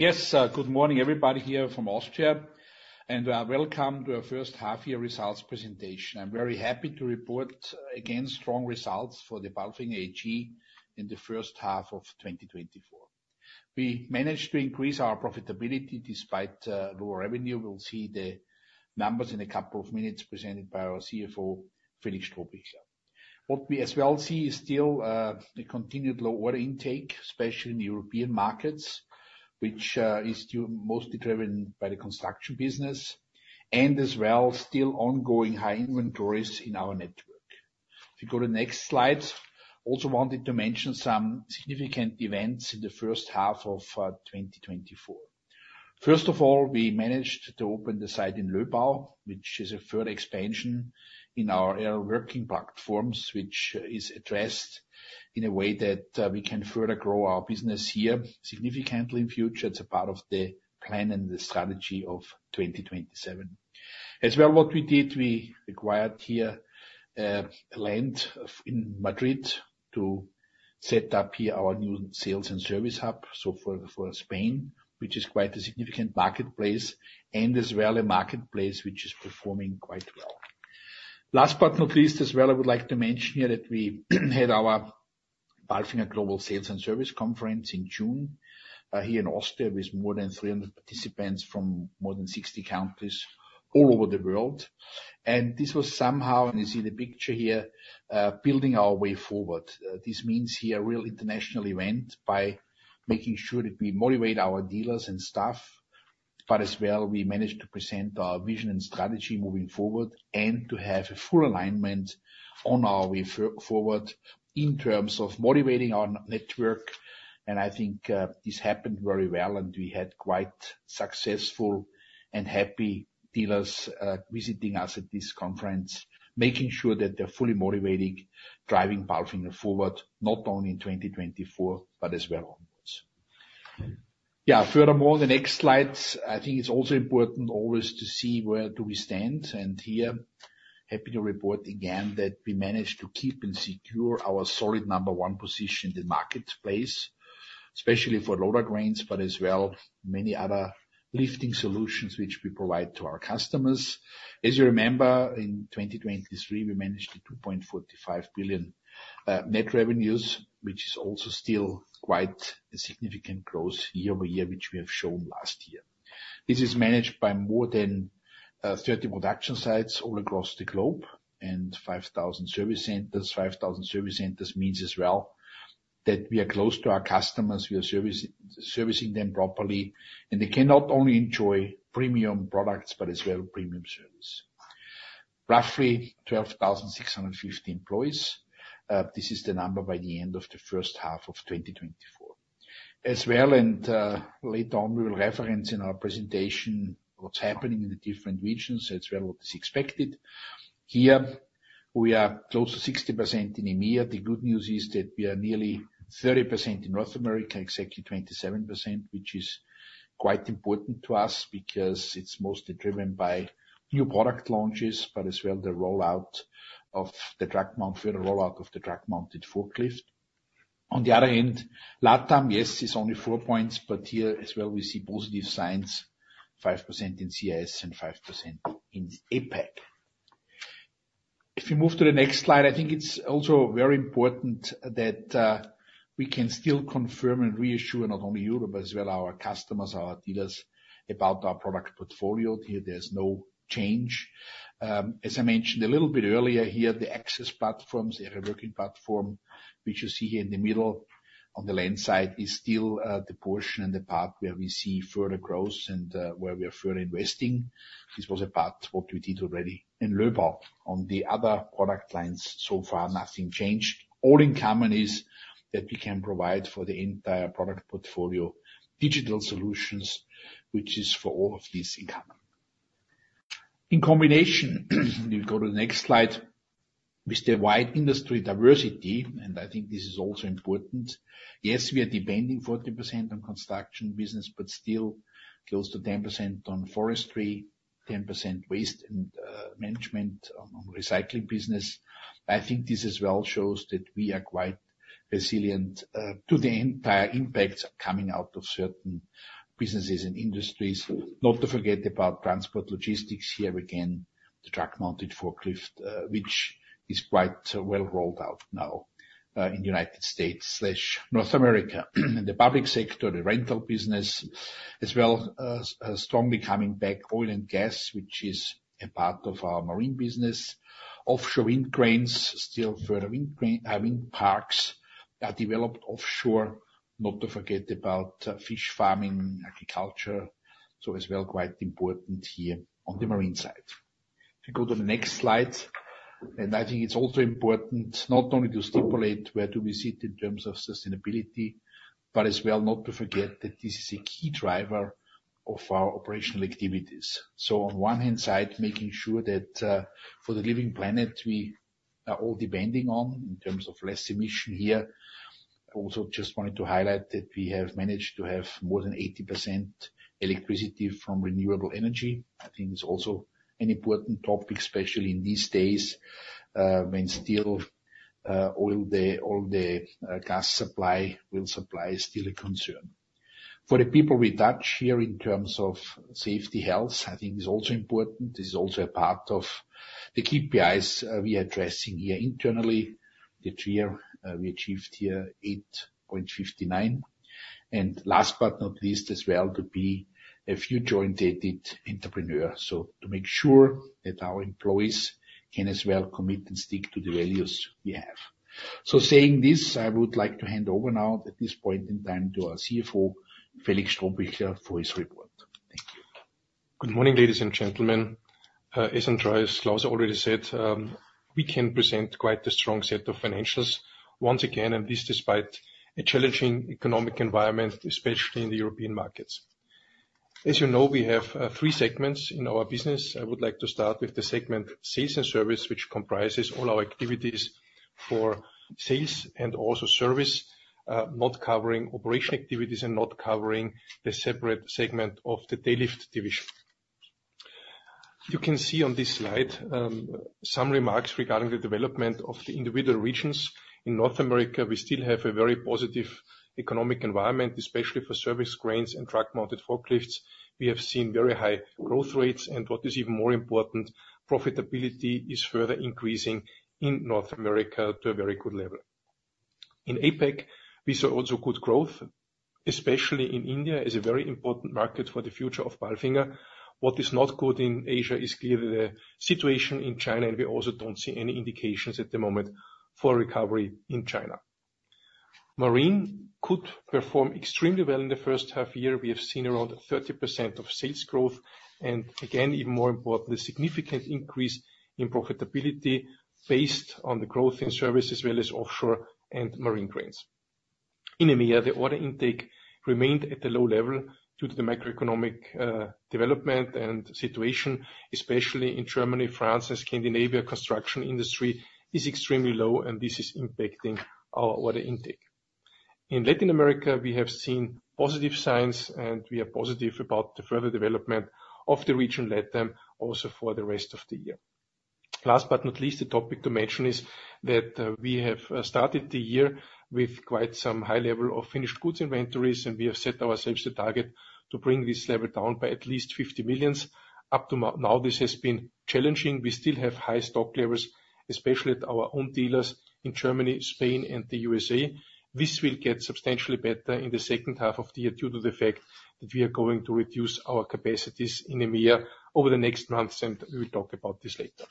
Yes, good morning, everybody, here from Austria, and, welcome to our first half year results presentation. I'm very happy to report, again, strong results for the Palfinger AG in the first half of 2024. We managed to increase our profitability despite, lower revenue. We'll see the numbers in a couple of minutes, presented by our CFO, Felix Strohbichler. What we as well see is still, the continued low order intake, especially in European markets, which, is still mostly driven by the construction business, and as well, still ongoing high inventories in our network. If you go to next slide, also wanted to mention some significant events in the first half of, 2024. First of all, we managed to open the site in Löbau, which is a further expansion in our aerial work platforms, which is addressed in a way that we can further grow our business here significantly in future. It's a part of the plan and the strategy of 2027. As well, what we did, we acquired here land in Madrid to set up here our new sales and service hub, so for Spain, which is quite a significant marketplace, and as well, a marketplace which is performing quite well. Last but not least, as well, I would like to mention here that we had our Palfinger Global Sales and Service Conference in June here in Austria, with more than 300 participants from more than 60 countries all over the world. This was somehow, and you see the picture here, building our way forward. This means here a real international event by making sure that we motivate our dealers and staff, but as well, we managed to present our vision and strategy moving forward, and to have a full alignment on our way forward in terms of motivating our network. And I think, this happened very well, and we had quite successful and happy dealers, visiting us at this conference, making sure that they're fully motivated, driving Palfinger forward, not only in 2024, but as well onwards. Yeah, furthermore, the next slide, I think it's also important always to see where do we stand, and here, happy to report again that we managed to keep and secure our solid number one position in the marketplace, especially for loader cranes, but as well, many other lifting solutions which we provide to our customers. As you remember, in 2023, we managed to 2.45 billion net revenues, which is also still quite a significant growth year-over-year, which we have shown last year. This is managed by more than 30 production sites all across the globe, and 5,000 service centers. Five thousand service centers means as well, that we are close to our customers, we are service, servicing them properly, and they can not only enjoy premium products, but as well, premium service. Roughly 12,650 employees. This is the number by the end of the first half of 2024. As well, later on, we will reference in our presentation what's happening in the different regions as well what is expected. Here, we are close to 60% in EMEA. The good news is that we are nearly 30% in North America, exactly 27%, which is quite important to us because it's mostly driven by new product launches, but as well, the rollout of the truck mount, further rollout of the truck-mounted forklift. On the other end, LATAM, yes, is only four points, but here as well, we see positive signs, 5% in CIS and 5% in APAC. If we move to the next slide, I think it's also very important that we can still confirm and reassure not only Europe, but as well our customers, our dealers, about our product portfolio. Here, there's no change. As I mentioned a little bit earlier here, the access platforms, the aerial work platform, which you see here in the middle on the left side, is still the portion and the part where we see further growth and where we are further investing. This was a part what we did already in Löbau. On the other product lines, so far, nothing changed. All in common is that we can provide for the entire product portfolio, digital solutions, which is for all of this in common. In combination, we go to the next slide, with the wide industry diversity, and I think this is also important. Yes, we are depending 40% on construction business, but still close to 10% on forestry, 10% waste and management, on recycling business. I think this as well shows that we are quite resilient to the entire impact coming out of certain businesses and industries. Not to forget about transport logistics, here again, the truck-mounted forklift, which is quite well rolled out now in the United States, North America. And the public sector, the rental business, as well, strongly coming back, oil and gas, which is a part of our marine business. Offshore wind cranes, still further wind parks are developed offshore. Not to forget about fish farming, agriculture, so as well, quite important here on the marine side. If you go to the next slide, and I think it's also important not only to stipulate where do we sit in terms of sustainability, but as well, not to forget that this is a key driver of our operational activities. So on one hand side, making sure that, for the living planet, we are all depending on in terms of less emission here. I also just wanted to highlight that we have managed to have more than 80% electricity from renewable energy. I think it's also an important topic, especially in these days, when still, oil, the, oil, the, gas supply, wind supply is still a concern. For the people we touch here in terms of safety, health, I think is also important. This is also a part of the KPIs we are addressing here internally, that year we achieved here 8.59. And last but not least, as well, to be a value-driven entrepreneur, so to make sure that our employees can as well commit and stick to the values we have. So saying this, I would like to hand over now at this point in time to our CFO, Felix Strohbichler, for his report. Thank you. Good morning, ladies and gentlemen. As Andreas Klauser already said, we can present quite a strong set of financials once again, and this despite a challenging economic environment, especially in the European markets. As you know, we have three segments in our business. I would like to start with the segment, Sales and Service, which comprises all our activities for sales and also service, not covering operation activities and not covering the separate segment of the Tail Lift division. You can see on this slide, some remarks regarding the development of the individual regions. In North America, we still have a very positive economic environment, especially for service cranes and truck-mounted forklifts. We have seen very high growth rates, and what is even more important, profitability is further increasing in North America to a very good level. In APAC, we saw also good growth, especially in India, is a very important market for the future of Palfinger. What is not good in Asia is clearly the situation in China, and we also don't see any indications at the moment for recovery in China. Marine could perform extremely well in the first half year. We have seen around 30% of sales growth, and again, even more important, the significant increase in profitability based on the growth in service, as well as offshore and marine cranes. In EMEA, the order intake remained at a low level due to the macroeconomic development and situation, especially in Germany, France, and Scandinavia. Construction industry is extremely low, and this is impacting our order intake. In Latin America, we have seen positive signs, and we are positive about the further development of the region, LATAM, also for the rest of the year. Last but not least, the topic to mention is that we have started the year with quite some high level of finished goods inventories, and we have set ourselves a target to bring this level down by at least 50 million. Up to now, this has been challenging. We still have high stock levels, especially at our own dealers in Germany, Spain, and the USA. This will get substantially better in the second half of the year, due to the fact that we are going to reduce our capacities in EMEA over the next months, and we will talk about this later.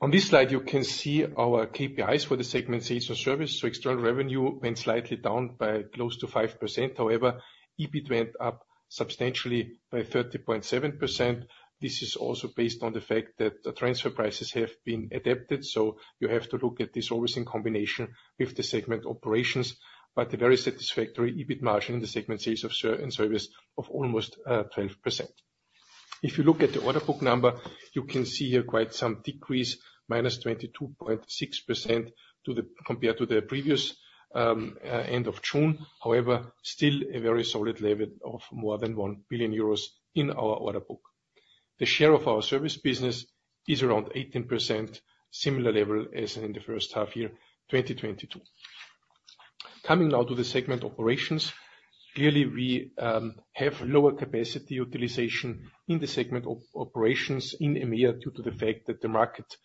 On this slide, you can see our KPIs for the segment Sales and Service. So external revenue went slightly down by close to 5%. However, EBIT went up substantially by 30.7%. This is also based on the fact that the transfer prices have been adapted, so you have to look at this always in combination with the segment Operations, but a very satisfactory EBIT margin in the segment Sales and Service of almost 12%. If you look at the order book number, you can see here quite some decrease, minus 22.6% compared to the previous end of June. However, still a very solid level of more than 1 billion euros in our order book. The share of our service business is around 18%, similar level as in the first half year, 2022. Coming now to the segment Operations. Clearly, we have lower capacity utilization in the Operations segment in EMEA, due to the fact that the market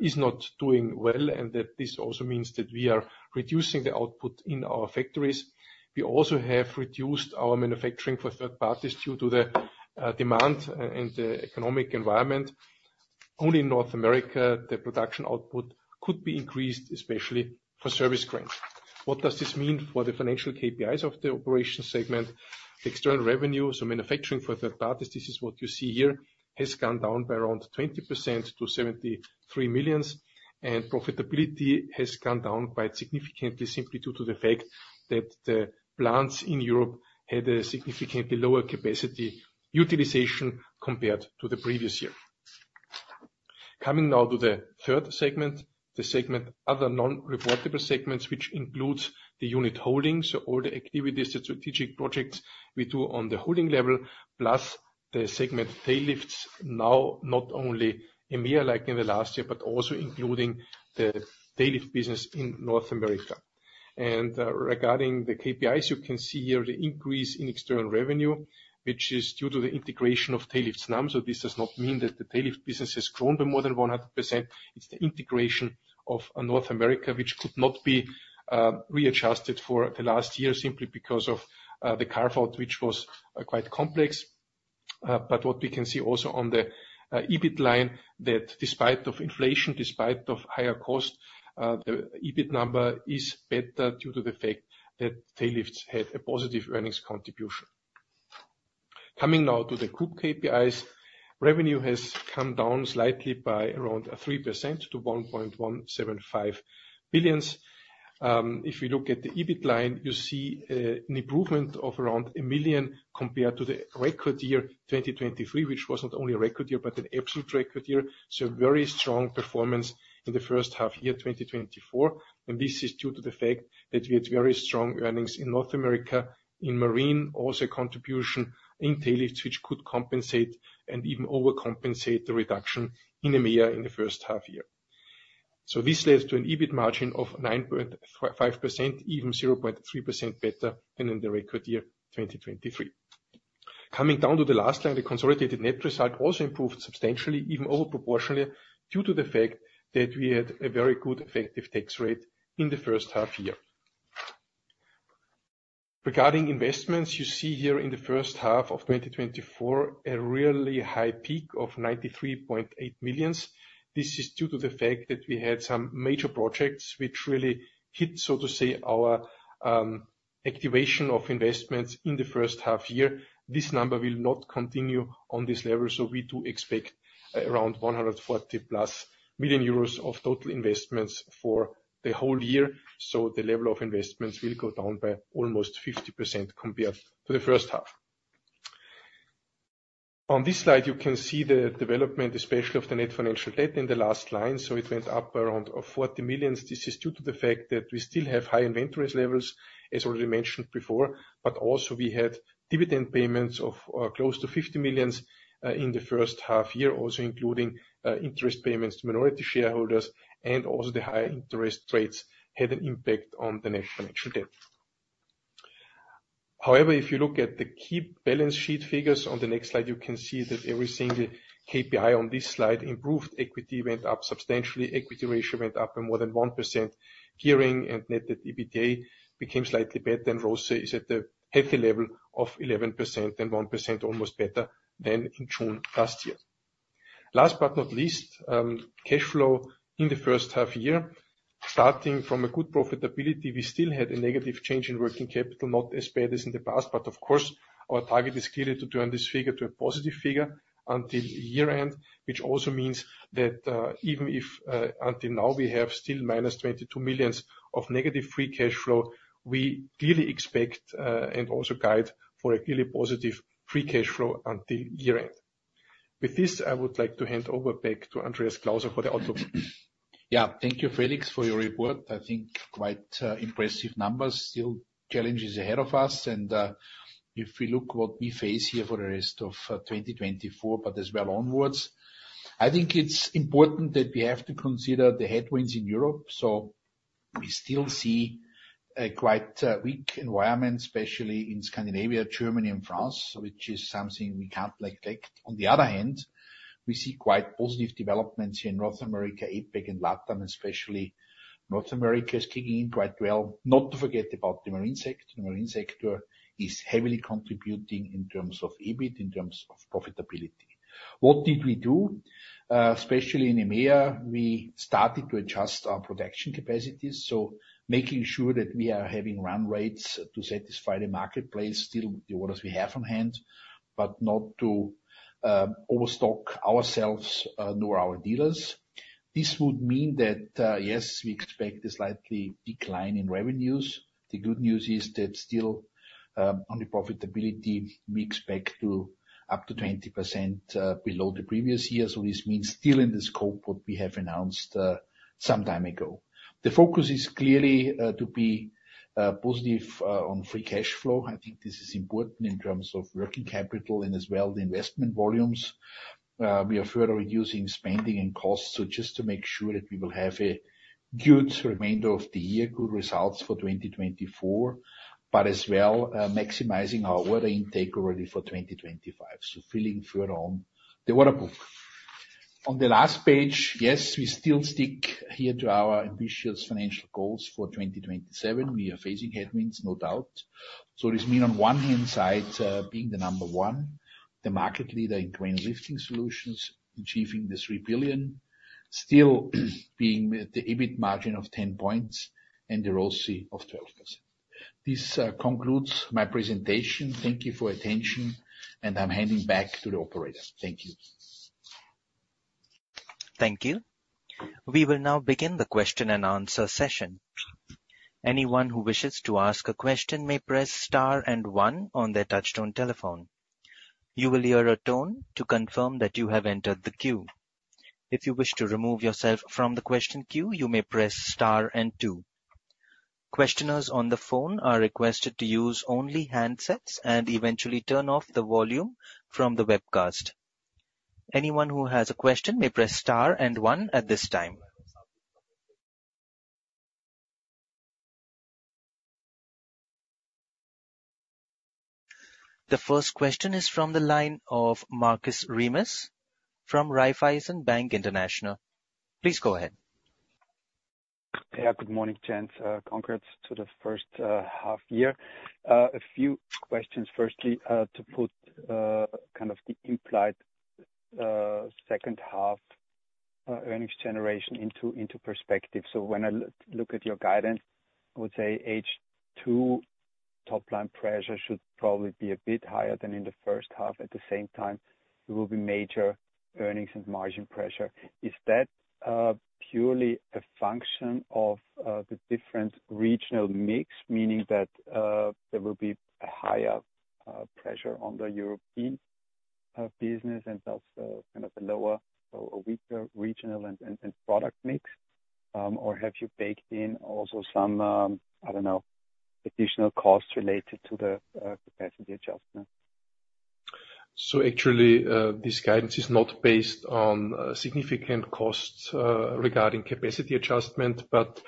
is not doing well, and that this also means that we are reducing the output in our factories. We also have reduced our manufacturing for third parties due to the demand and the economic environment. Only in North America, the production output could be increased, especially for service cranes. What does this mean for the financial KPIs of the Operations segment? The external revenue, so manufacturing for third parties, this is what you see here, has gone down by around 20% to 73 million, and profitability has gone down quite significantly, simply due to the fact that the plants in Europe had a significantly lower capacity utilization compared to the previous year. Coming now to the third segment, the segment, Other non-reportable segments, which includes the unit Holdings, so all the activities, the strategic projects we do on the holding level, plus the segment Tail Lifts, now, not only EMEA like in the last year, but also including the tail lift business in North America. And, regarding the KPIs, you can see here the increase in external revenue, which is due to the integration of Tail Lifts NAM. So this does not mean that the tail lift business has grown by more than 100%. It's the integration of North America, which could not be readjusted for the last year simply because of the carve-out, which was quite complex. But what we can see also on the, EBIT line, that despite of inflation, despite of higher cost, the EBIT number is better due to the fact that Tail Lifts had a positive earnings contribution. Coming now to the group KPIs. Revenue has come down slightly by around 3% to 1.175 billion. If you look at the EBIT line, you see, an improvement of around 1 million compared to the record year 2023, which wasn't only a record year, but an absolute record year. So very strong performance in the first half year 2024, and this is due to the fact that we had very strong earnings in North America, in marine, also a contribution in Tail Lifts, which could compensate and even overcompensate the reduction in EMEA in the first half year. This leads to an EBIT margin of 9.5%, even 0.3% better than in the record year 2023. Coming down to the last line, the consolidated net result also improved substantially, even over proportionally, due to the fact that we had a very good effective tax rate in the first half year. Regarding investments, you see here in the first half of 2024, a really high peak of 93.8 million. This is due to the fact that we had some major projects which really hit, so to say, our activation of investments in the first half year. This number will not continue on this level, so we do expect around 140+ million euros of total investments for the whole year. So the level of investments will go down by almost 50% compared to the first half. On this slide, you can see the development, especially of the net financial debt in the last line, so it went up around 40 million. This is due to the fact that we still have high inventory levels, as already mentioned before. But also we had dividend payments of close to 50 million in the first half year. Also, including interest payments to minority shareholders, and also the high interest rates had an impact on the net financial debt. However, if you look at the key balance sheet figures on the next slide, you can see that every single KPI on this slide improved. Equity went up substantially. Equity ratio went up by more than 1%. Gearing and net debt, EBITDA became slightly better, and ROCE is at a healthy level of 11%, 1% almost better than in June last year. Last but not least, cash flow in the first half year. Starting from a good profitability, we still had a negative change in working capital, not as bad as in the past, but of course, our target is clearly to turn this figure to a positive figure until year-end. Which also means that, even if, until now, we have still -22 million of negative free cash flow, we clearly expect, and also guide for a clearly positive free cash flow until year-end. With this, I would like to hand over back to Andreas Klauser for the outlook. Yeah. Thank you, Felix, for your report. I think quite impressive numbers. Still challenges ahead of us, and if we look what we face here for the rest of 2024, but as well onwards, I think it's important that we have to consider the headwinds in Europe. So we still see a quite weak environment, especially in Scandinavia, Germany, and France, which is something we can't neglect. On the other hand, we see quite positive developments here in North America, APAC and LATAM, especially North America, is kicking in quite well. Not to forget about the marine sector. The marine sector is heavily contributing in terms of EBIT, in terms of profitability. What did we do? Especially in EMEA, we started to adjust our production capacities, so making sure that we are having run rates to satisfy the marketplace, still the orders we have on hand, but not to overstock ourselves nor our dealers. This would mean that, yes, we expect a slight decline in revenues. The good news is that still, on the profitability, we expect to be up to 20% below the previous year. So this means still in the scope, what we have announced some time ago. The focus is clearly to be positive on free cash flow. I think this is important in terms of working capital and as well, the investment volumes. We are further reducing spending and costs, so just to make sure that we will have a good remainder of the year, good results for 2024, but as well, maximizing our order intake already for 2025, so filling further on the order book. On the last page, yes, we still stick here to our ambitious financial goals for 2027. We are facing headwinds, no doubt. So this mean, on one hand side, being the number one, the market leader in crane lifting solutions, achieving the 3 billion, still being the EBIT margin of 10% and the ROCE of 12%. This concludes my presentation. Thank you for attention, and I'm handing back to the operator. Thank you. Thank you. We will now begin the question and answer session. Anyone who wishes to ask a question may press star and one on their touchtone telephone. You will hear a tone to confirm that you have entered the queue. If you wish to remove yourself from the question queue, you may press star and two. Questioners on the phone are requested to use only handsets and eventually turn off the volume from the webcast. Anyone who has a question may press star and one at this time. The first question is from the line of Markus Remis from Raiffeisen Bank International. Please go ahead. Yeah, good morning, gents. Congrats to the first half year. A few questions. Firstly, to put kind of the implied second half earnings generation into perspective. So when I look at your guidance, I would say H2 top line pressure should probably be a bit higher than in the first half. At the same time, there will be major earnings and margin pressure. Is that purely a function of the different regional mix, meaning that there will be a higher pressure on the European business and thus kind of a lower or a weaker regional and product mix? Or have you baked in also some, I don't know, additional costs related to the capacity adjustment? So actually, this guidance is not based on significant costs regarding capacity adjustment, but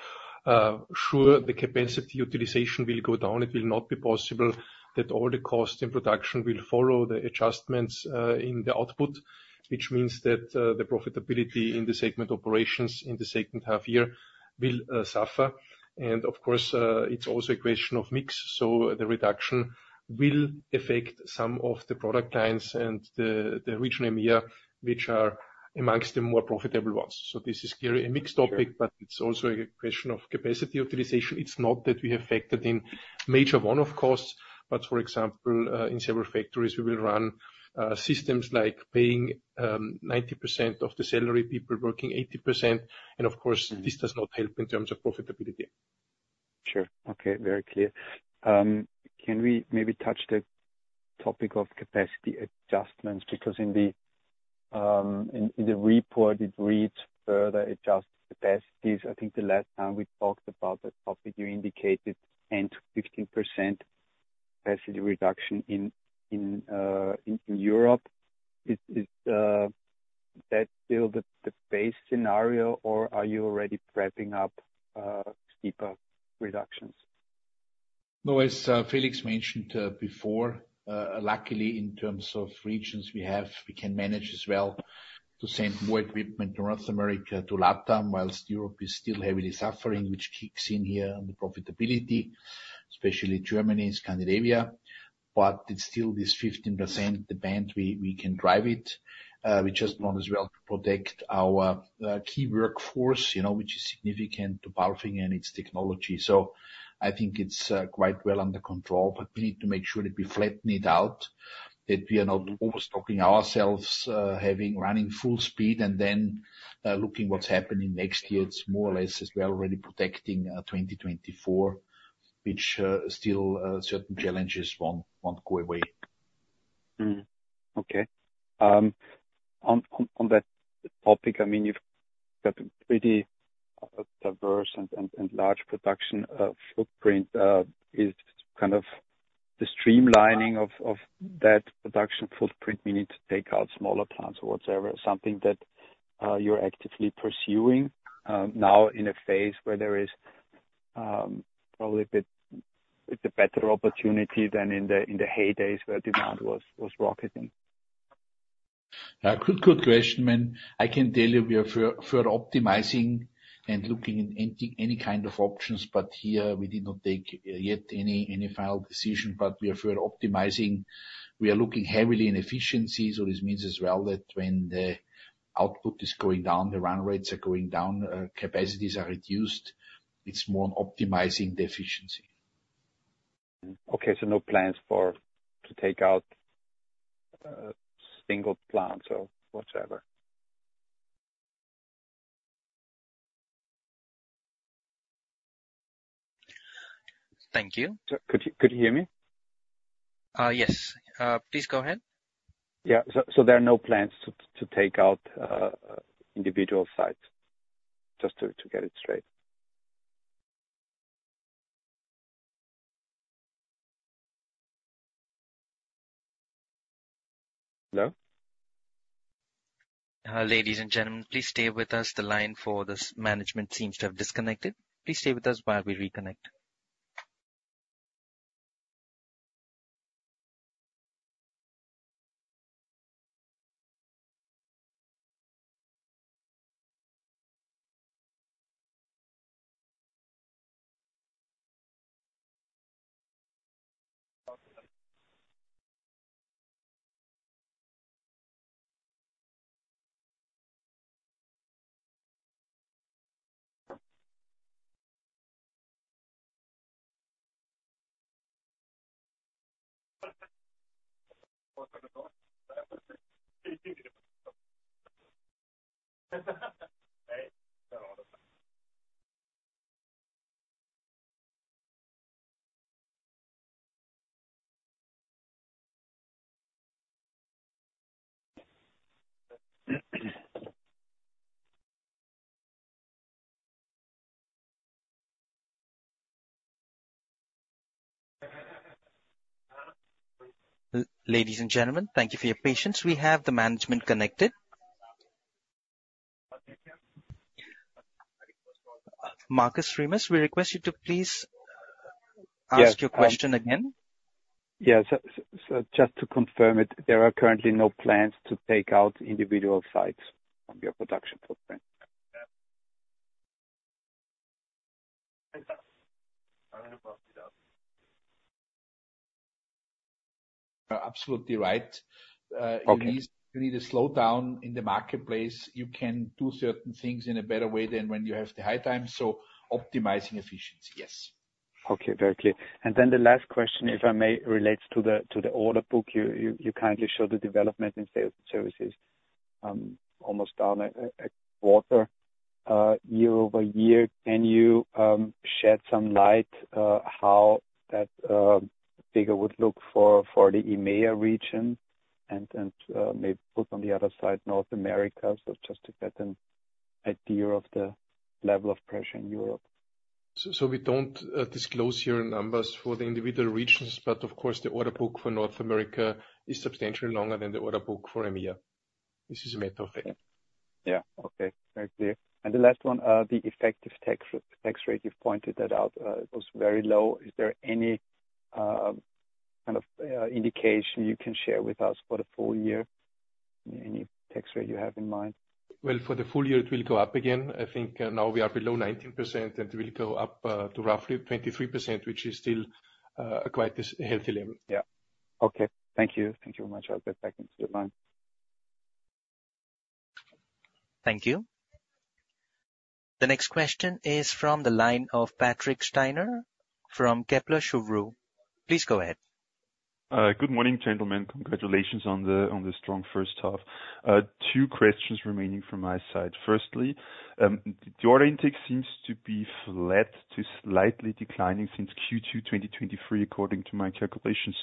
sure, the capacity utilization will go down. It will not be possible that all the costs in production will follow the adjustments in the output, which means that the profitability in the segment Operations in the second half year will suffer. And of course, it's also a question of mix, so the reduction will affect some of the product lines and the region EMEA, which are amongst the more profitable ones. So this is clearly a mixed topic. Sure. But it's also a question of capacity utilization. It's not that we have factored in major one-off costs, but for example, in several factories, we will run systems like paying 90% of the salary, people working 80%, and of course- Mm. This does not help in terms of profitability. Sure. Okay, very clear. Can we maybe touch the topic of capacity adjustments? Because in the report, it reads further adjust capacities. I think the last time we talked about that topic, you indicated 10%-15% capacity reduction in Europe. Is that still the base scenario, or are you already prepping up steeper reductions? No, as Felix mentioned before, luckily, in terms of regions, we have we can manage as well to send more equipment to North America, to Latam, while Europe is still heavily suffering, which kicks in here on the profitability, especially Germany and Scandinavia. But it's still this 15%, the band, we can drive it. We just want as well to protect our key workforce, you know, which is significant to Palfinger and its technology. So I think it's quite well under control, but we need to make sure that we flatten it out, that we are not overstretching ourselves, having running full speed and then looking what's happening next year. It's more or less as we are already protecting 2024, which still certain challenges won't go away. Okay. On that topic, I mean, you've got a pretty diverse and large production footprint. Is the streamlining of that production footprint, we need to take out smaller plants or whatever, something that you're actively pursuing now in a phase where there is probably a bit, it's a better opportunity than in the heydays where demand was rocketing. Good, good question. I mean, I can tell you we are further optimizing and looking in any kind of options, but here we did not take yet any final decision. But we are further optimizing. We are looking heavily in efficiencies, so this means as well that when the output is going down, the run rates are going down, capacities are reduced, it's more on optimizing the efficiency. Okay, so no plans for to take out single plants or whatsoever? Thank you. Could you hear me? Yes. Please go ahead. Yeah. So there are no plans to take out individual sites, just to get it straight? Hello? Ladies and gentlemen, please stay with us. The line for this management seems to have disconnected. Please stay with us while we reconnect. Ladies and gentlemen, thank you for your patience. We have the management connected. Markus Remis, we request you to please- Yes, um- Ask your question again. Yes, so just to confirm it, there are currently no plans to take out individual sites from your production footprint? Yeah. You are absolutely right. Okay. You need, you need to slow down in the marketplace. You can do certain things in a better way than when you have the high time, so optimizing efficiency, yes. Okay, very clear. And then the last question, if I may, relates to the order book. You kindly showed the development in sales and services, almost down a quarter year-over-year. Can you shed some light how that figure would look for the EMEA region? And maybe put on the other side, North America, so just to get an idea of the level of pressure in Europe. So we don't disclose here numbers for the individual regions, but of course, the order book for North America is substantially longer than the order book for EMEA. This is a matter of fact. Yeah, okay. Very clear. And the last one, the effective tax rate, you've pointed that out, it was very low. Is there any kind of indication you can share with us for the full year? Any tax rate you have in mind? Well, for the full year, it will go up again. I think, now we are below 19%, and it will go up, to roughly 23%, which is still, quite a healthy level. Yeah. Okay, thank you. Thank you very much. I'll get back into the line. Thank you. The next question is from the line of Patrick Steiner from Kepler Cheuvreux. Please go ahead. Good morning, gentlemen. Congratulations on the strong first half. Two questions remaining from my side. Firstly, the order intake seems to be flat to slightly declining since Q2 2023, according to my calculations.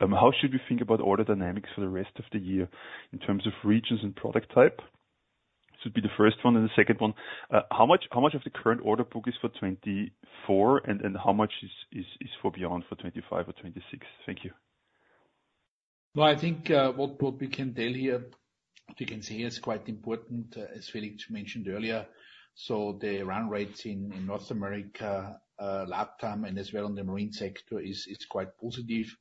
How should we think about order dynamics for the rest of the year in terms of regions and product type? This would be the first one, and the second one, how much of the current order book is for 2024, and how much is for beyond, for 2025 or 2026? Thank you. Well, I think, what, what we can tell here, we can see is quite important, as Felix mentioned earlier. So the run rates in North America, LatAm, and as well in the marine sector, is quite positive.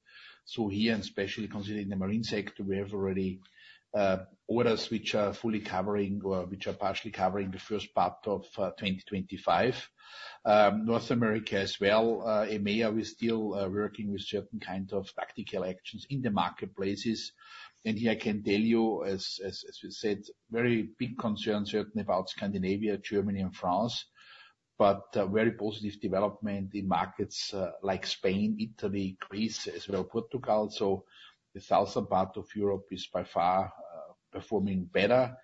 So here, and especially considering the marine sector, we have already orders which are fully covering or which are partially covering the first part of 2025. North America as well, EMEA, we're still working with certain kind of tactical actions in the marketplaces. And here I can tell you, as we said, very big concern certainly about Scandinavia, Germany and France, but very positive development in markets like Spain, Italy, Greece, as well, Portugal. So the southern part of Europe is by far performing better.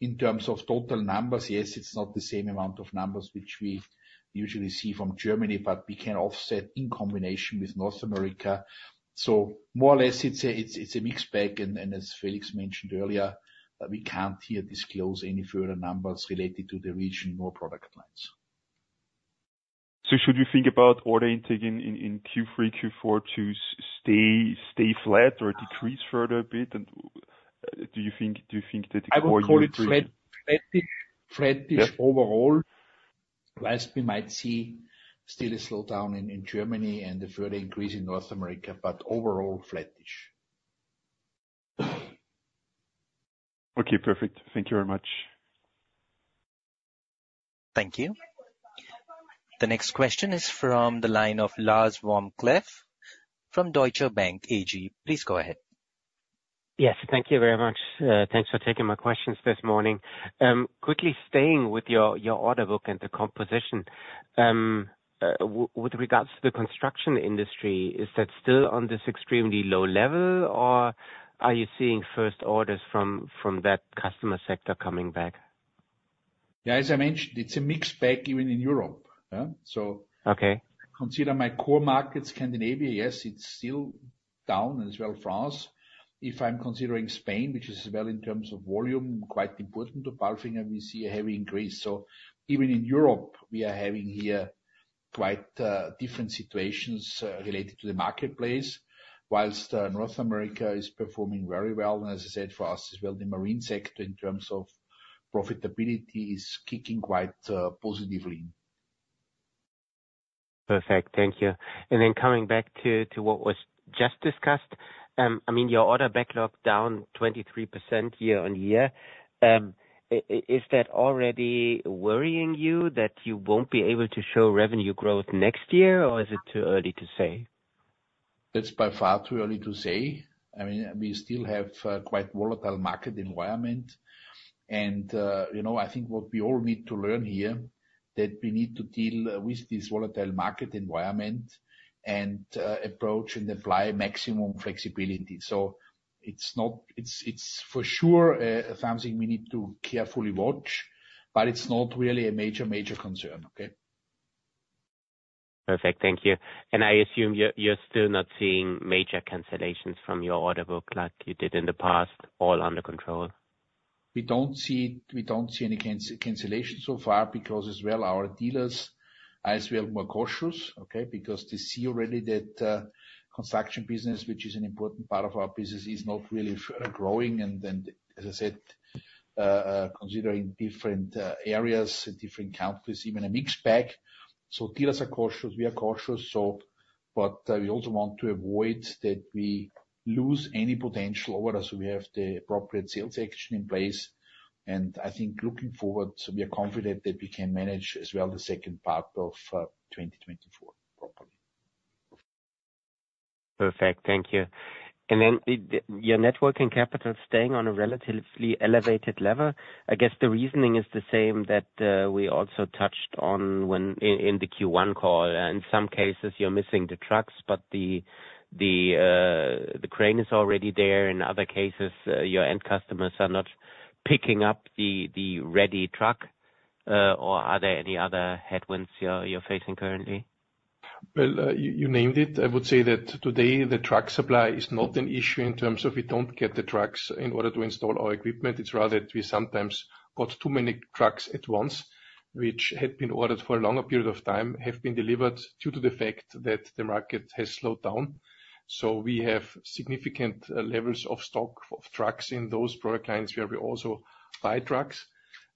In terms of total numbers, yes, it's not the same amount of numbers which we usually see from Germany, but we can offset in combination with North America. So more or less, it's a mixed bag, and as Felix mentioned earlier, we can't here disclose any further numbers related to the region or product lines. So should we think about order intake in Q3, Q4 to stay flat or decrease further a bit? And, do you think that- I would call it flat, flattish, flattish overall. Yeah. Whilst we might see still a slowdown in Germany and a further increase in North America, but overall, flattish. Okay, perfect. Thank you very much. Thank you. The next question is from the line of Lars Vom Cleff from Deutsche Bank AG. Please go ahead. Yes, thank you very much. Thanks for taking my questions this morning. Quickly staying with your order book and the composition, with regards to the construction industry, is that still on this extremely low level, or are you seeing first orders from that customer sector coming back? Yeah, as I mentioned, it's a mixed bag, even in Europe. Yeah, so- Okay. Consider my core markets, Scandinavia, yes, it's still down, as well, France. If I'm considering Spain, which is well in terms of volume, quite important to Palfinger, we see a heavy increase. So even in Europe, we are having here quite different situations related to the marketplace, while North America is performing very well. And as I said, for us as well, the marine sector, in terms of profitability, is keeping quite positively. Perfect. Thank you. And then coming back to what was just discussed, I mean, your order backlog down 23% year-on-year. Is that already worrying you, that you won't be able to show revenue growth next year, or is it too early to say? It's by far too early to say. I mean, we still have quite volatile market environment. And, you know, I think what we all need to learn here, that we need to deal with this volatile market environment and approach and apply maximum flexibility. So it's not, it's, it's for sure something we need to carefully watch, but it's not really a major, major concern, okay? Perfect. Thank you. I assume you're still not seeing major cancellations from your order book like you did in the past, all under control? We don't see, we don't see any cancellation so far, because as well, our dealers are as well more cautious, okay? Because they see already that, construction business, which is an important part of our business, is not really growing. And then, as I said, considering different areas and different countries, even a mixed bag. So dealers are cautious. We are cautious, so but, we also want to avoid that we lose any potential orders, so we have the appropriate sales action in place. And I think looking forward, so we are confident that we can manage as well the second part of 2023. Perfect. Thank you. Then, your net working capital staying on a relatively elevated level, I guess the reasoning is the same that we also touched on when in the Q1 call. In some cases, you're missing the trucks, but the crane is already there. In other cases, your end customers are not picking up the ready truck, or are there any other headwinds you're facing currently? Well, you named it. I would say that today, the truck supply is not an issue in terms of we don't get the trucks in order to install our equipment. It's rather that we sometimes got too many trucks at once, which had been ordered for a longer period of time, have been delivered due to the fact that the market has slowed down. So we have significant levels of stock of trucks in those product lines, where we also buy trucks.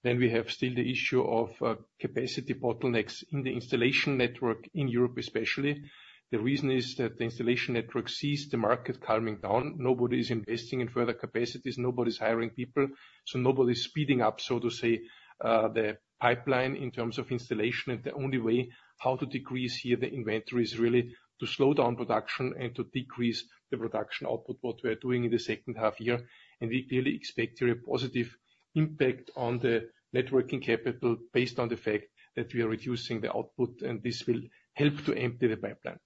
Then we have still the issue of capacity bottlenecks in the installation network in Europe, especially. The reason is that the installation network sees the market calming down. Nobody's investing in further capacities, nobody's hiring people, so nobody's speeding up, so to say, the pipeline in terms of installation. The only way how to decrease here the inventory is really to slow down production and to decrease the production output, what we are doing in the second half year. We clearly expect a positive impact on the net working capital, based on the fact that we are reducing the output, and this will help to empty the pipeline.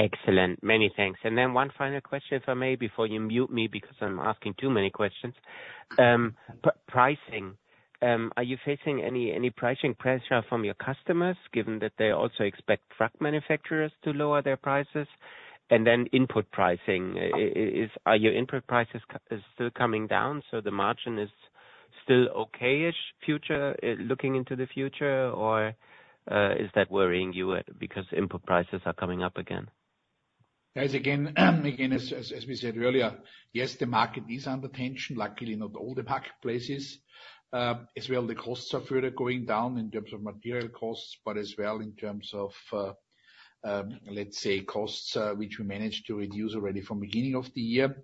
Excellent. Many thanks. Then one final question, if I may, before you mute me, because I'm asking too many questions. Pricing, are you facing any pricing pressure from your customers, given that they also expect truck manufacturers to lower their prices? And then input pricing, are your input prices still coming down, so the margin is still okay-ish future, looking into the future? Or, is that worrying you, because input prices are coming up again? Yes, again, as we said earlier, yes, the market is under tension, luckily, not all the marketplaces. As well, the costs are further going down in terms of material costs, but as well in terms of, let's say, costs, which we managed to reduce already from beginning of the year.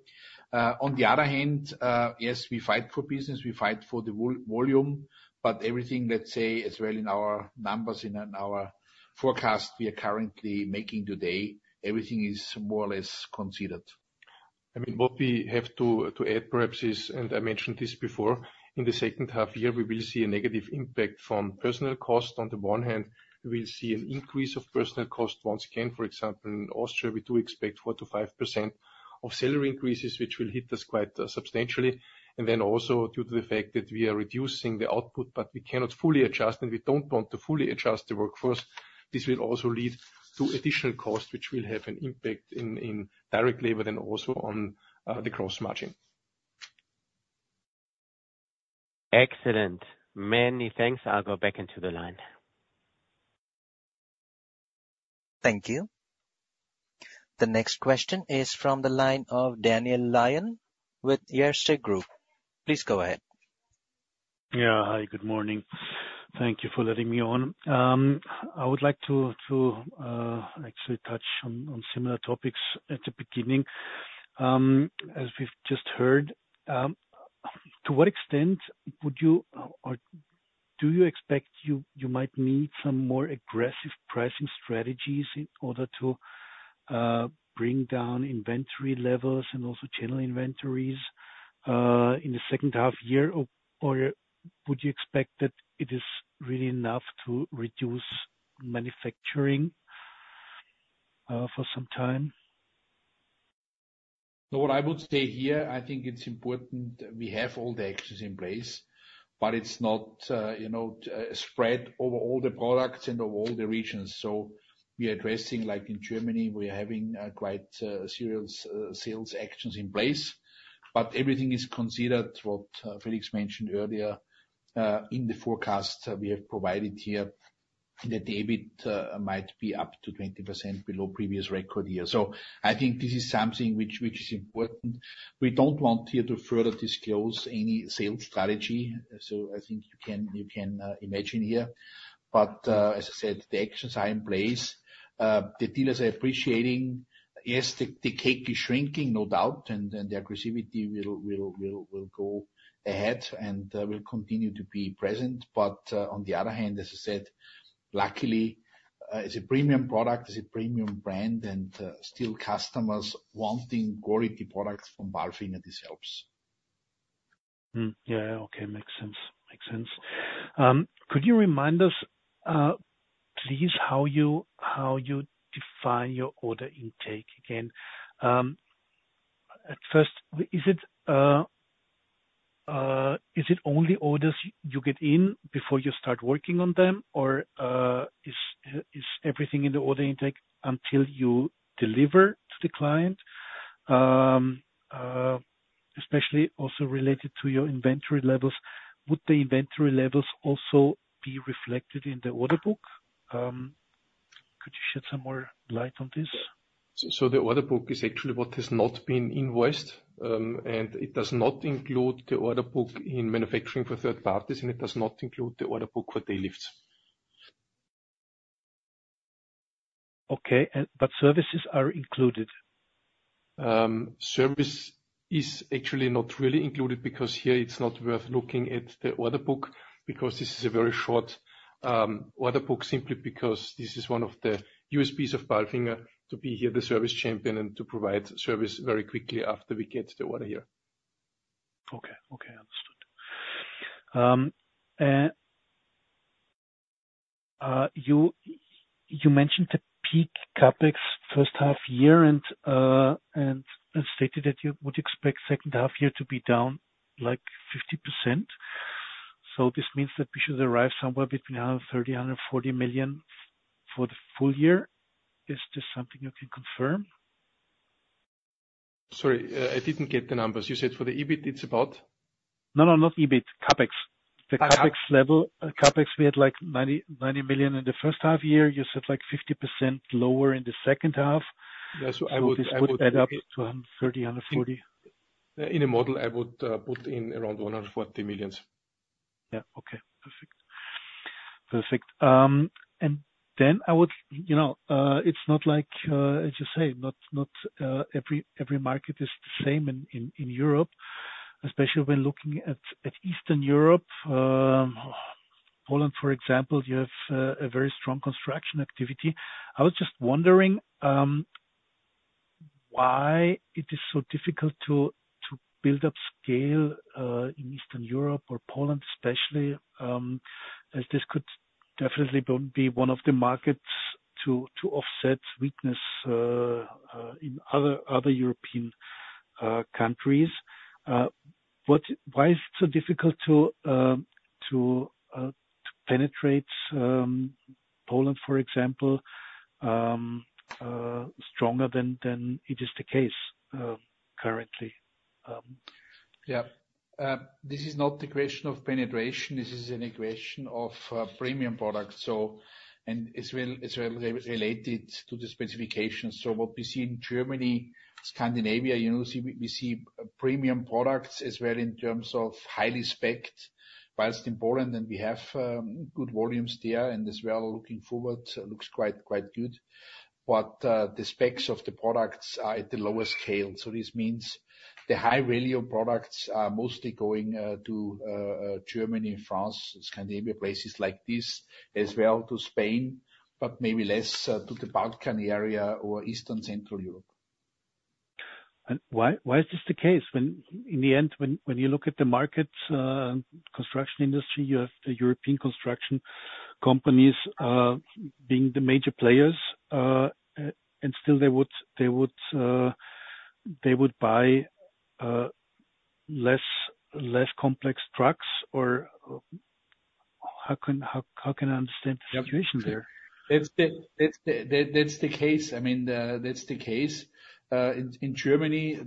On the other hand, yes, we fight for business, we fight for the volume, but everything, let's say, as well in our numbers, in our forecast we are currently making today, everything is more or less considered. I mean, what we have to, to add, perhaps, is, and I mentioned this before, in the second half year, we will see a negative impact from personnel cost. On the one hand, we will see an increase of personnel cost once again. For example, in Austria, we do expect 4%-5% salary increases, which will hit us quite substantially. And then also, due to the fact that we are reducing the output, but we cannot fully adjust, and we don't want to fully adjust the workforce, this will also lead to additional costs, which will have an impact indirectly, but then also on the gross margin. Excellent. Many thanks. I'll go back into the line. Thank you. The next question is from the line of Daniel Lion, with Erste Group. Please go ahead. Yeah. Hi, good morning. Thank you for letting me on. I would like to actually touch on similar topics at the beginning. As we've just heard, to what extent would you, or do you expect you might need some more aggressive pricing strategies in order to bring down inventory levels and also general inventories in the second half year? Or would you expect that it is really enough to reduce manufacturing for some time? So what I would say here, I think it's important we have all the actions in place, but it's not, you know, spread over all the products and over all the regions. So we are addressing, like in Germany, we are having quite serious sales actions in place. But everything is considered, Felix mentioned earlier, in the forecast we have provided here, that the EBIT might be up to 20% below previous record year. So I think this is something which, which is important. We don't want here to further disclose any sales strategy, so I think you can, you can imagine here. But, as I said, the actions are in place. The dealers are appreciating. Yes, the cake is shrinking, no doubt, and the aggressivity will go ahead and will continue to be present. But on the other hand, as I said, luckily, it's a premium product, it's a premium brand, and still customers wanting quality products from Palfinger themselves. Hmm. Yeah, okay. Makes sense. Makes sense. Could you remind us, please, how you define your order intake again? Is it only orders you get in before you start working on them? Or, is everything in the order intake until you deliver to the client? Especially also related to your inventory levels, would the inventory levels also be reflected in the order book? Could you shed some more light on this? So the order book is actually what has not been invoiced, and it does not include the order book in manufacturing for third parties, and it does not include the order book for Tail Lifts. Okay, but services are included? Service is actually not really included, because here it's not worth looking at the order book, because this is a very short order book, simply because this is one of the USPs of Palfinger, to be here the service champion and to provide service very quickly after we get the order here. Okay. Okay, understood. You mentioned the peak CapEx first half year, and stated that you would expect second half year to be down, like, 50%. So this means that we should arrive somewhere between 130 million and 140 million for the full year. Is this something you can confirm? Sorry, I didn't get the numbers. You said for the EBIT, it's about? No, no, not EBIT, CapEx. Ah. The CapEx level, CapEx, we had, like, 90-90 million in the first half year. You said, like, 50% lower in the second half. Yes, so I would, This would add up to 130-140. In a model, I would put in around 140 million. Yeah. Okay, perfect. Perfect. And then I would, you know, it's not like, as you say, not every market is the same in Europe, especially when looking at Eastern Europe. Poland, for example, you have a very strong construction activity. I was just wondering, why it is so difficult to build up scale in Eastern Europe or Poland, especially, as this could definitely be one of the markets to offset weakness in other European countries. Why is it so difficult to penetrate Poland, for example, stronger than it is the case currently? Yeah. This is not the question of penetration, this is an equation of premium products. So, and it's related to the specifications. So what we see in Germany, Scandinavia, you know, we see premium products as well in terms of highly specced, while in Poland, and we have good volumes there, and as well, looking forward, looks quite good. But the specs of the products are at the lower scale. So this means the high-value products are mostly going to Germany, France, Scandinavia, places like this, as well to Spain, but maybe less to the Balkan area or Eastern Central Europe. Why is this the case, when in the end, when you look at the markets, construction industry, you have the European construction companies being the major players, and still they would buy less complex trucks? Or how can I understand the situation there? Yeah. That's the case. I mean, that's the case. In Germany,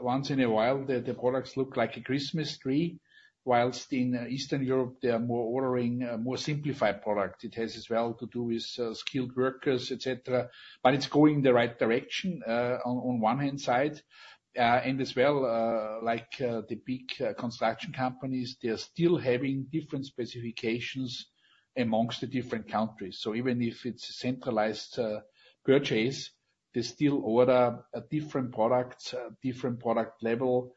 once in a while, the products look like a Christmas tree, whilst in Eastern Europe, they are more ordering more simplified product. It has as well to do with skilled workers, et cetera. But it's going in the right direction, on one hand side. And as well, like, the big construction companies, they're still having different specifications amongst the different countries. So even if it's centralized purchase, they still order different products, different product level,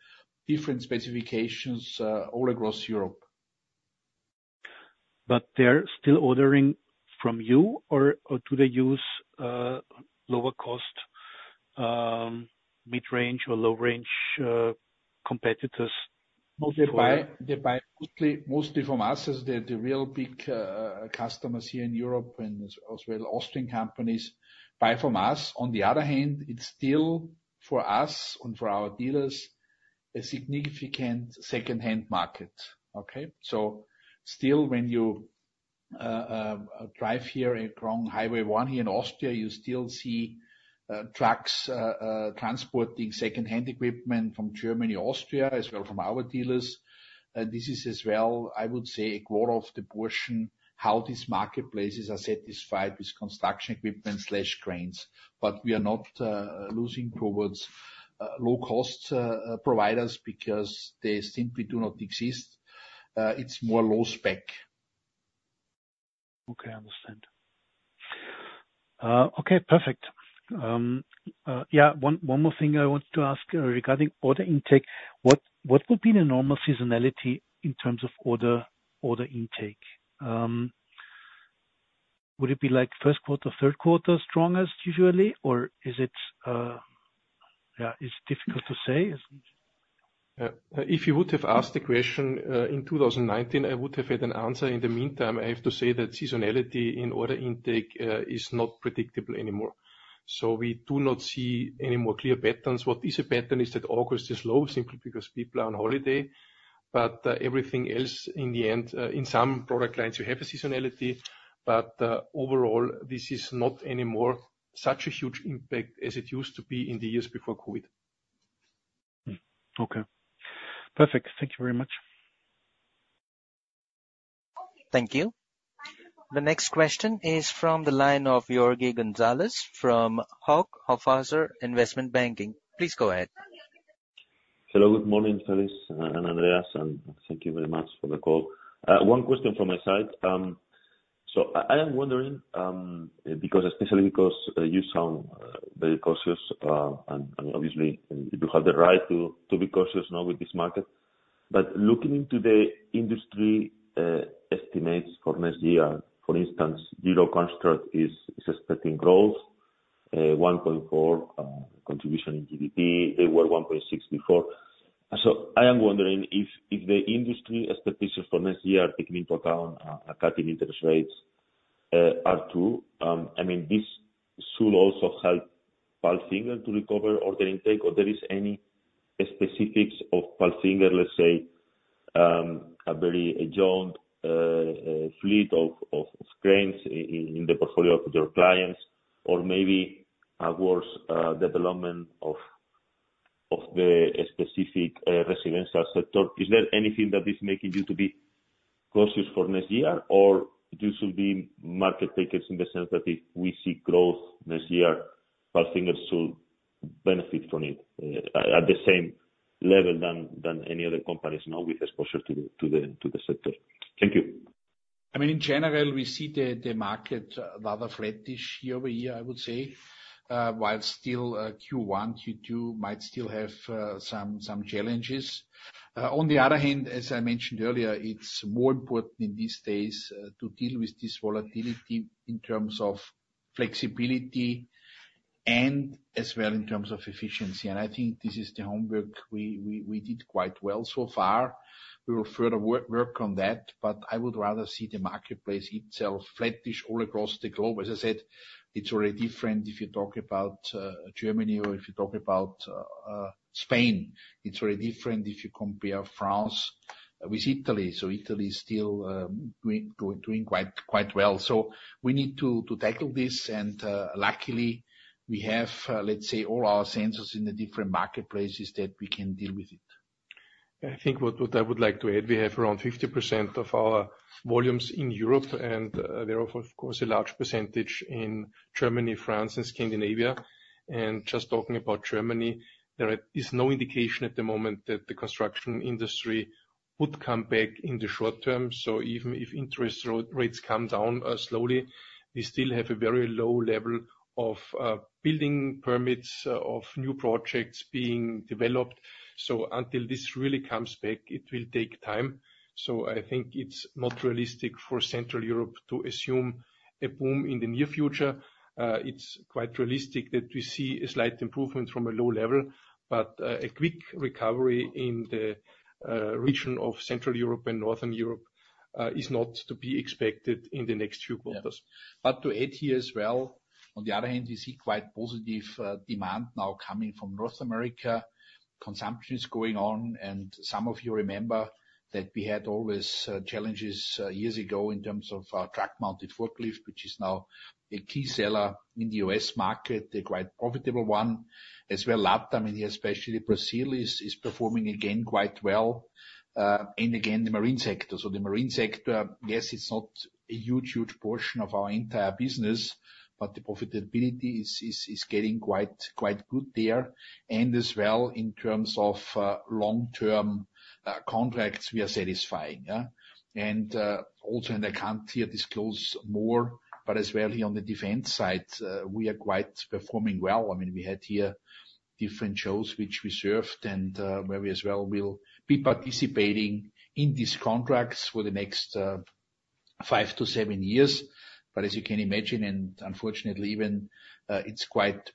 different specifications, all across Europe. But they're still ordering from you, or do they use lower cost, mid-range or low-range competitors? No, they buy, they buy mostly, mostly from us, as the, the real big customers here in Europe and as well, Austrian companies buy from us. On the other hand, it's still, for us and for our dealers, a significant secondhand market. Okay? So still, when you drive here along Highway One here in Austria, you still see trucks transporting secondhand equipment from Germany, Austria, as well from our dealers. This is as well, I would say, a quarter of the portion, how these marketplaces are satisfied with construction equipment/cranes. But we are not losing towards low-cost providers because they simply do not exist. It's more low spec. Okay, I understand. Okay, perfect. Yeah, one more thing I wanted to ask regarding order intake. What would be the normal seasonality in terms of order intake? Would it be, like, first quarter, third quarter, strongest usually, or is it yeah, it's difficult to say, isn't it? If you would have asked the question in 2019, I would have had an answer. In the meantime, I have to say that seasonality in order intake is not predictable anymore. So we do not see any more clear patterns. What is a pattern is that August is low, simply because people are on holiday. But everything else, in the end, in some product lines, you have a seasonality, but overall, this is not any more such a huge impact as it used to be in the years before COVID. Hmm. Okay. Perfect. Thank you very much. Thank you. The next question is from the line of Jorge Gonzalez from Hauck Aufhäuser Investment Banking. Please go ahead. Hello, good morning, Felix and Andreas, and thank you very much for the call. One question from my side. So I am wondering, because especially because you sound very cautious, and obviously, and you have the right to be cautious, you know, with this market. But looking into the industry estimates for next year, for instance, Euroconstruct is expecting growth, 1.4 contribution in GDP. They were 1.6 before. So I am wondering if the industry expectations for next year, taking into account a cutting interest rates, are true, I mean, this should also help Palfinger to recover order intake, or there is any specifics of Palfinger, let's say, a very young fleet of cranes in the portfolio of your clients, or maybe a worse development of the specific residential sector. Is there anything that is making you to be cautious for next year? Or this will be market takers, in the sense that if we see growth next year, Palfinger should benefit from it, at the same level than any other companies now with exposure to the sector. Thank you. I mean, in general, we see the market rather flattish year-over-year, I would say. While still, Q1, Q2 might still have some challenges. On the other hand, as I mentioned earlier, it's more important in these days to deal with this volatility in terms of flexibility and as well in terms of efficiency. And I think this is the homework we did quite well so far. We will further work on that, but I would rather see the marketplace itself flattish all across the globe. As I said, it's very different if you talk about Germany or if you talk about Spain. It's very different if you compare France with Italy. So Italy is still doing quite well. We need to tackle this, and luckily we have, let's say, all our sensors in the different marketplaces that we can deal with it. I think what I would like to add, we have around 50% of our volumes in Europe, and they are, of course, a large percentage in Germany, France, and Scandinavia. And just talking about Germany, there is no indication at the moment that the construction industry would come back in the short term. So even if interest rates come down slowly, we still have a very low level of building permits, of new projects being developed. So until this really comes back, it will take time. So I think it's not realistic for Central Europe to assume a boom in the near future. It's quite realistic that we see a slight improvement from a low level, but a quick recovery in the region of Central Europe and Northern Europe is not to be expected in the next few quarters. But to add here as well, on the other hand, we see quite positive demand now coming from North America. Consumption is going on, and some of you remember that we had always challenges years ago in terms of truck-mounted forklift, which is now a key seller in the U.S. market, a quite profitable one. As well, Latam, and especially Brazil, is performing again quite well. And again, the marine sector. So the marine sector, yes, it's not a huge, huge portion of our entire business, but the profitability is getting quite good there. And as well, in terms of long-term contracts, we are satisfying, yeah? And also, and I can't here disclose more, but as well here on the defense side, we are quite performing well. I mean, we had here different shows which we served, and where we as well will be participating in these contracts for the next five to seven years. But as you can imagine, and unfortunately, even, it's quite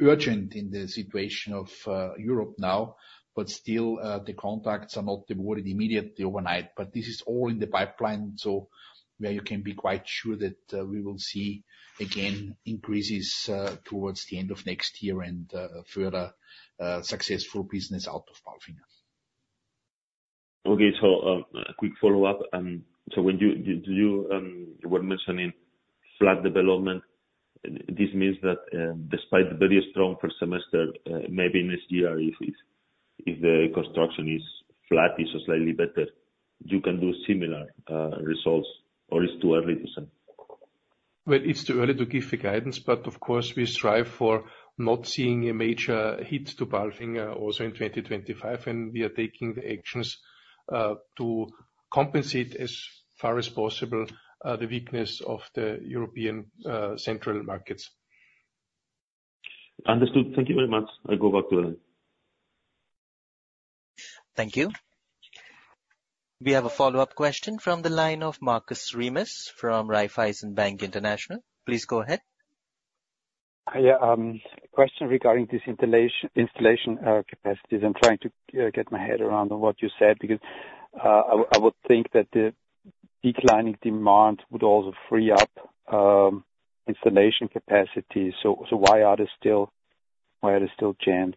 urgent in the situation of Europe now, but still, the contracts are not awarded immediately overnight. But this is all in the pipeline, so where you can be quite sure that we will see, again, increases towards the end of next year and further successful business out of Palfinger. Okay. So, a quick follow-up. So when you did you, you were mentioning flat development. This means that, despite the very strong first semester, maybe next year, if, if, if the construction is flat or slightly better, you can do similar, results, or it's too early to say? Well, it's too early to give the guidance, but of course, we strive for not seeing a major hit to Palfinger also in 2025, and we are taking the actions to compensate as far as possible the weakness of the European central markets. Understood. Thank you very much. I go back to the line. Thank you. We have a follow-up question from the line of Markus Remis, from Raiffeisen Bank International. Please go ahead. Hi, yeah, a question regarding this installation capacities. I'm trying to get my head around on what you said, because I would think that the declining demand would also free up installation capacity. So, why are they still jammed?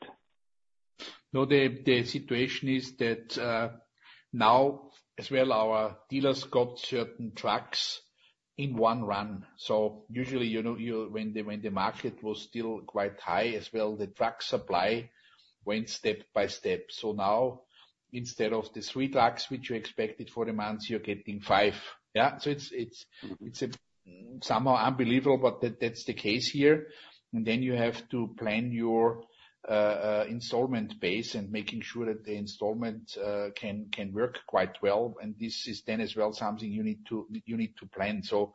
No, the situation is that now, as well, our dealers got certain trucks in one run. So usually, you know, when the market was still quite high as well, the truck supply went step by step. So now, instead of the three trucks which you expected for the months, you're getting five, yeah? So it's somehow unbelievable, but that's the case here. And then you have to plan your installment base and making sure that the installment can work quite well. And this is then as well something you need to plan. So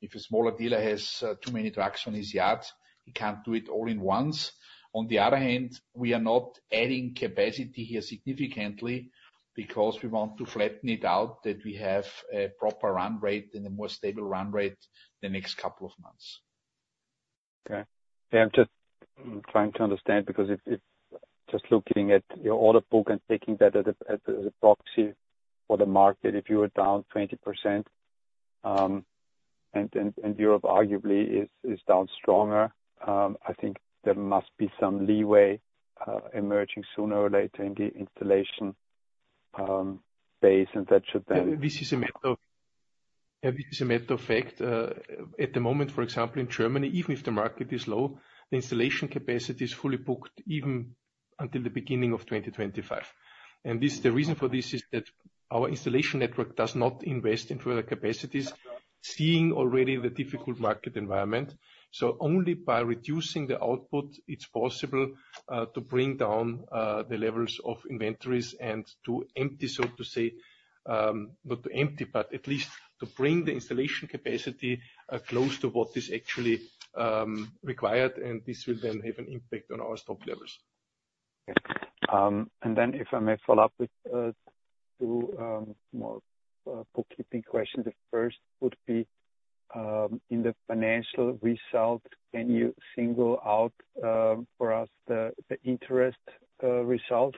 if a smaller dealer has too many trucks on his yard, he can't do it all in once. On the other hand, we are not adding capacity here significantly, because we want to flatten it out, that we have a proper run rate and a more stable run rate the next couple of months. Okay. Yeah, I'm just trying to understand, because if just looking at your order book and taking that as a proxy for the market, if you were down 20%, and Europe arguably is down stronger, I think there must be some leeway emerging sooner or later in the installation base, and that should then- Yeah, this is a matter of fact. At the moment, for example, in Germany, even if the market is low, the installation capacity is fully booked, even until the beginning of 2025. The reason for this is that our installation network does not invest in further capacities, seeing already the difficult market environment. So only by reducing the output, it's possible to bring down the levels of inventories and to empty, so to say, not to empty, but at least to bring the installation capacity close to what is actually required, and this will then have an impact on our stock levels. and then if I may follow up with two more bookkeeping questions. The first would be in the financial result, can you single out for us the interest result?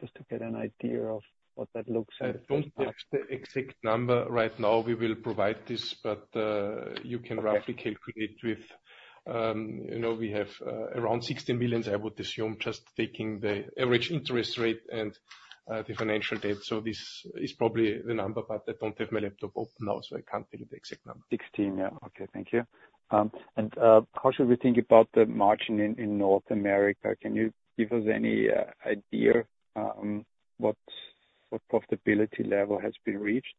Just to get an idea of what that looks like. I don't have the exact number right now. We will provide this, but you can roughly- Okay. calculate with, you know, we have around 16 million, I would assume, just taking the average interest rate and the financial debt. So this is probably the number, but I don't have my laptop open now, so I can't give you the exact number. 16, yeah. Okay, thank you. And how should we think about the margin in North America? Can you give us any idea what profitability level has been reached?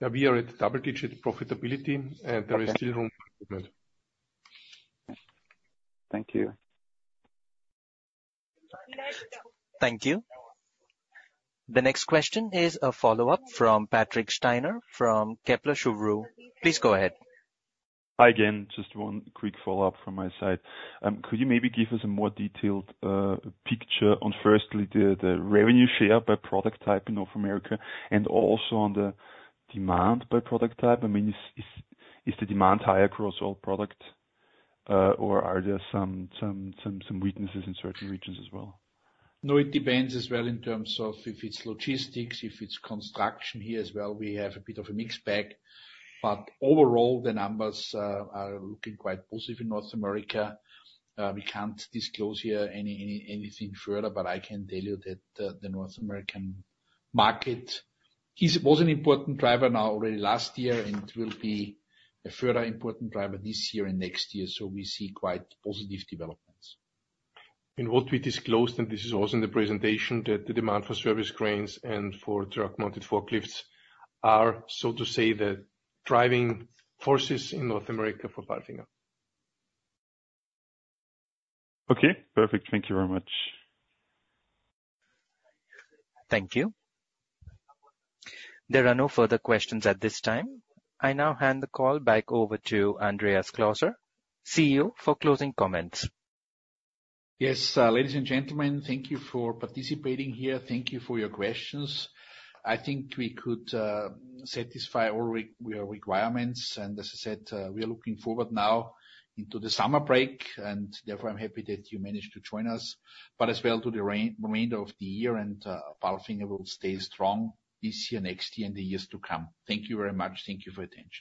Yeah, we are at double-digit profitability, and there is still room for improvement. Thank you. Thank you. The next question is a follow-up from Patrick Steiner, from Kepler Cheuvreux. Please go ahead. Hi again. Just one quick follow-up from my side. Could you maybe give us a more detailed picture on, firstly, the revenue share by product type in North America, and also on the demand by product type? I mean, is the demand high across all product, or are there some weaknesses in certain regions as well? No, it depends as well in terms of if it's logistics, if it's construction. Here as well, we have a bit of a mixed bag. But overall, the numbers are looking quite positive in North America. We can't disclose here any, anything further, but I can tell you that the North American market was an important driver now already last year, and will be a further important driver this year and next year. So we see quite positive developments. In what we disclosed, and this is also in the presentation, that the demand for service cranes and for truck-mounted forklifts are, so to say, the driving forces in North America for Palfinger. Okay, perfect. Thank you very much. Thank you. There are no further questions at this time. I now hand the call back over to Andreas Klauser, CEO, for closing comments. Yes, ladies and gentlemen, thank you for participating here. Thank you for your questions. I think we could satisfy all your requirements, and as I said, we are looking forward now into the summer break, and therefore, I'm happy that you managed to join us, but as well to the remainder of the year. Palfinger will stay strong this year, next year, and the years to come. Thank you very much. Thank you for your attention.